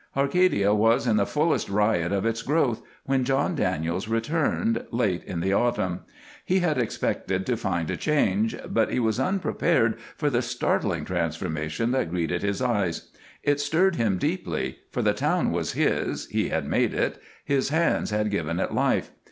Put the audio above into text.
Arcadia was in the fullest riot of its growth when John Daniels returned, late in the autumn. He had expected to find a change, but he was unprepared for the startling transformation that greeted his eyes. It stirred him deeply, for the town was his, he had made it, his hands had given it life.